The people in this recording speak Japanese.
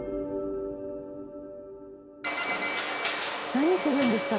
何するんですか？